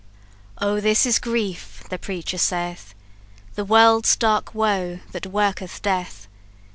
"Oh, this is grief, the preacher saith, The world's dark woe that worketh death!